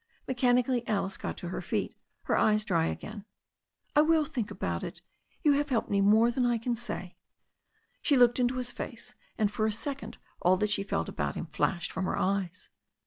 Mechanically Alice got to her feet, her eyes dry again. "I will think about it — ^you have helped me more than I can say." She looked into his face, and for a second all that she felt about him flashed from her eyes.